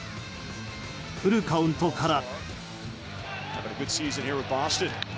フルカウントから。